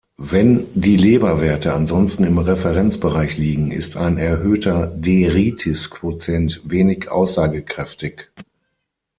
Wenn die Leberwerte ansonsten im Referenzbereich liegen, ist ein erhöhter De-Ritis-Quotient wenig aussagekräftig.